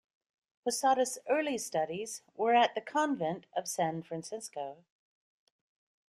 Posadas' early studies were at the convent of San Francisco.